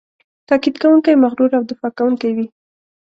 تاکید کوونکی، مغرور او دفاع کوونکی وي.